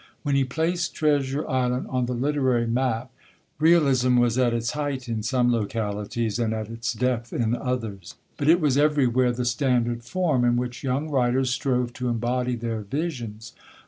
When he placed Treasure Island on the literary map, Realism was at its height in some localities, and at its depth in others. But it was everywhere the standard form, in which young writers strove to embody their visions.